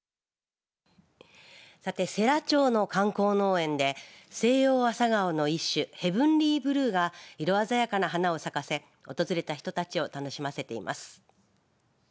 さて世羅町の観光農園で西洋アサガオの一種ヘブンリーブルーが色鮮やかな花を咲かせ訪れた人たちを楽しませています。